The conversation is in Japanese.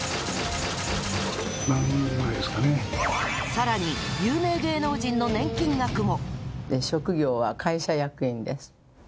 更に、有名芸能人の年金額も。